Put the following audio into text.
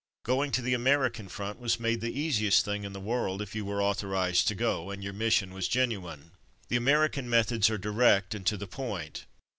Going to the American front was made the easiest thing in the world, if you were au thorized to go, and your mission was genuine. Common Sense Methods 257 The American methods arc direct and to the point.